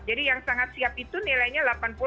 jadi yang sangat siap itu nilainya delapan puluh seratus